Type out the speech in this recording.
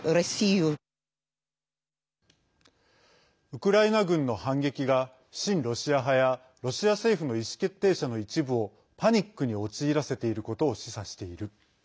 ウクライナ軍の反撃が親ロシア派やロシア政府の意思決定者の一部をパニックに陥らせていることを示唆している。